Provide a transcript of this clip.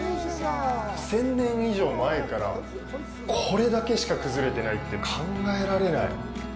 １０００年以上前から、これだけしか崩れてないって、考えられない。